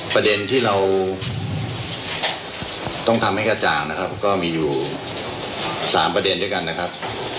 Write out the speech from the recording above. ประเด็นที่เราต้องทำให้กระจ่างก็มีอยู่๓ประเด็นด้วยกันยอด